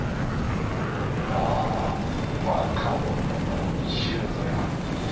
あ若者のシューズが。